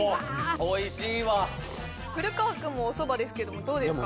おいしいわ古川君もおそばですけれどもどうですか？